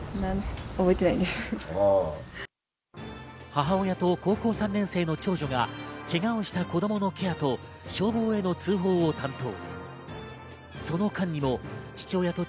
母親と高校３年生の長女がけがをした子供のケアと消防への通報を担当。